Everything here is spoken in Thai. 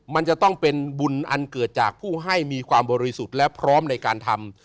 มันจะต้องเป็นบุญอันเกิดจากผู้ให้มีความบริสุทธิ์และพร้อมในการทำ